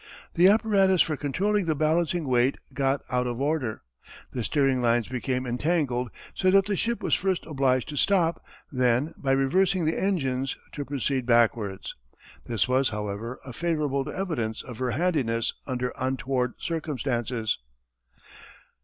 The apparatus for controlling the balancing weight got out of order. The steering lines became entangled so that the ship was first obliged to stop, then by reversing the engines to proceed backwards. This was, however, a favourable evidence of her handiness under untoward circumstances.